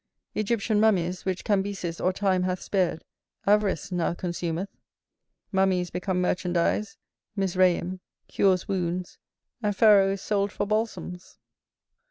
Egyptian mummies, which Cambyses or time hath spared, avarice now consumeth. Mummy is become merchandise, Mizraim, cures wounds, and Pharaoh is sold for balsams.